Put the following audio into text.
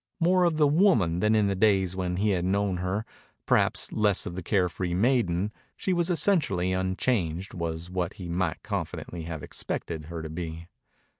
More of the woman than in the days when he had known her, perhaps less of the carefree maiden, she was essentially unchanged, was what he might confidently have expected her to be.